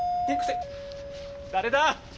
・誰だ？